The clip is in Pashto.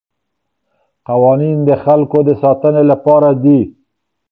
قوانین د خلګو د ساتنې لپاره دي.